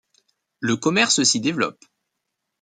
Le commerce s'y développe.